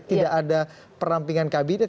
tidak ada perampingan kabinet